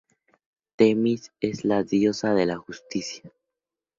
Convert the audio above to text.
Temis es la diosa de la justicia.